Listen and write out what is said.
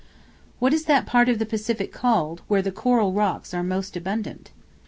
What is that part of the Pacific called, where the Coral Rocks are most abundant?